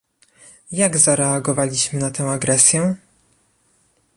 Jak zareagowaliśmy na tę agresję?